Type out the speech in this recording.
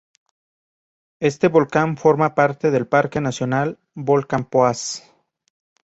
Este volcán forma parte del Parque nacional Volcán Poás.